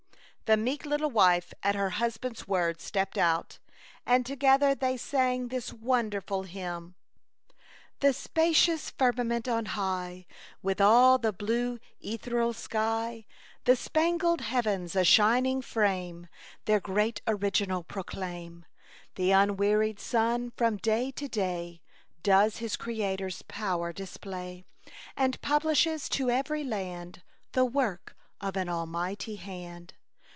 The meek little wife at her hus band's word stepped out, and together they sang this wonderful hymn : A Chautauqua Idyl. 99 The spacious firmament on high, With all the blue ethereal sky, The spangled heavens, a shining frame, Their great original proclaim ; The unwearied sun, from day to day, Does his Creator's power display. And publishes to every land The work of an Almighty hand.